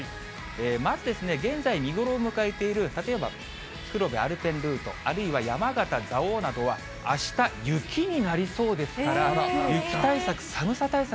まず、現在見頃を迎えている立山黒部アルペンルート、あるいは山形蔵王などは、あした雪になりそうですから、雪対策、寒さ対策